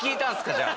じゃあ。